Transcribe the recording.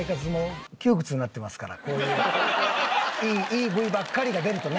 こういういいＶばっかりが出るとね。